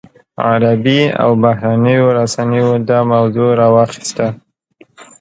عربي او بهرنیو رسنیو دا موضوع راواخیسته.